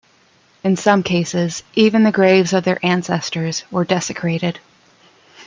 In some cases, even the graves of their ancestors were desecrated.